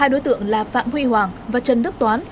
hai đối tượng là phạm huy hoàng và trần đức toán